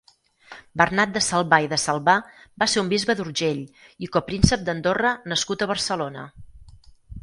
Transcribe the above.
Bernat de Salbà i de Salbà va ser un bisbe d'Urgell i copríncep d'Andorra nascut a Barcelona.